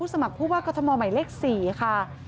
สมัครผู้ว่ากรทมใหม่เลข๔ค่ะ